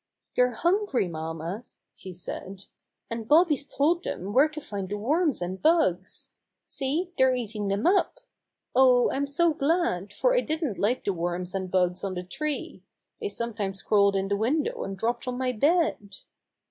"They're hungry, mamma," she said, "and Bobby's told them where to find the worms and bugs. See, they're eating them up. Oh, I'm so glad, for I didn't like the worms and bugs on the tree! They sometimes crawled in the window and dropped on my bed."